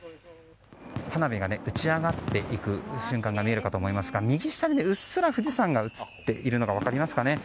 花火が打ち上がっていく瞬間が見えると思いますが右下にうっすら富士山が映っているのが分かりますかね。